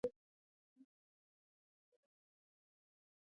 افغانستان په باران باندې تکیه لري.